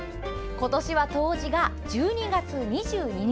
今年は冬至が１２月２２日。